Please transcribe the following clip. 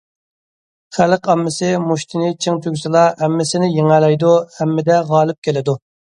خەلق ئاممىسى مۇشتىنى چىڭ تۈگسىلا، ھەممىسىنى يېڭەلەيدۇ، ھەممىدە غالىب كېلىدۇ.